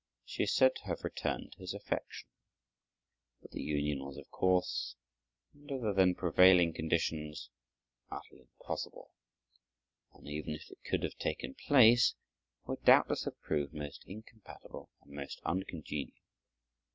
She is said to have returned his affection, but the union was, of course, under the then prevailing conditions, utterly impossible; and even if it could have taken place, would doubtless have proved most incompatible and uncongenial.